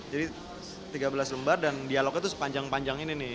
jadi tiga belas lembar dan dialognya itu sepanjang panjang ini nih